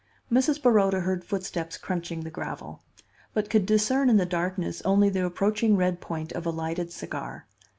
Mrs. Baroda heard footsteps crunching the gravel; but could discern in the darkness only the approaching red point of a lighted cigar.